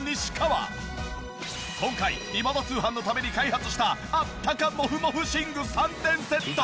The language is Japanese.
今回『今田通販』のために開発したあったかモフモフ寝具３点セット。